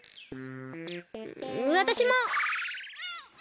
わたしも！